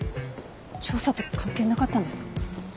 調査と関係なかったんですか？